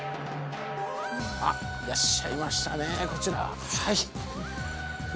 あっいらっしゃいましたねこちら。